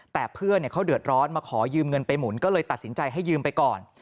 แต่เพื่อนเขาเดือดร้อนมาขอยืมเงินไปหมุนก็เลยตัดสินใจให้ยืมไปก่อน